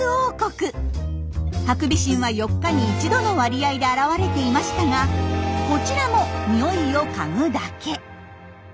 ハクビシンは４日に１度の割合で現れていましたがこちらもニオイを嗅ぐだけ。